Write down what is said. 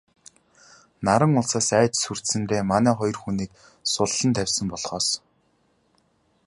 Наран улсаас айж сүрдсэндээ манай хоёр хүнийг суллан тавьсан болохоос...